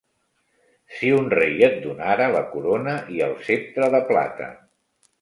Si un rei et donara la corona i el ceptre de plata